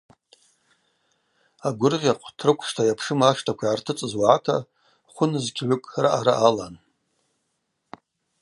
Агвыргъьахъв Трыквшта йапшым аштаква йгӏартыцӏыз уагӏата хвынызкьгӏвыкӏ раъара алан.